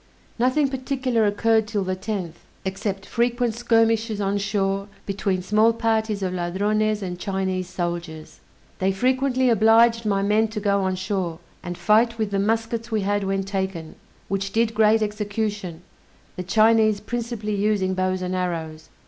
Nothing particular occurred 'till the 10th, except frequent skirmishes on shore between small parties of Ladrones and Chinese soldiers. They frequently obliged my men to go on shore, and fight with the muskets we had when taken, which did great execution, the Chinese principally using bows and arrows.